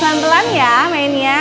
pelan pelan ya mainnya